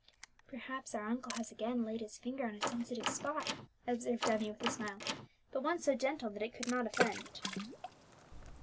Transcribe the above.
"Perhaps our uncle has again laid his finger on a sensitive spot," observed Emmie with a smile, but one so gentle that it could not offend.